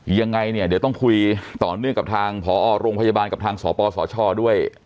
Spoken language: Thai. ยังไงเนี่ยเดี๋ยวต้องคุยต่อเนื่องกับทางพอโรงพยาบาลกับทางสปสชด้วย